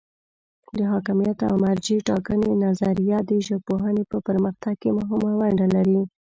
د حاکمیت او مرجع ټاکنې نظریه د ژبپوهنې په پرمختګ کې مهمه ونډه لري.